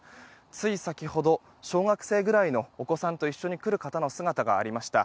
つい先ほど、小学生くらいのお子さんと一緒に来られた方の姿がありました。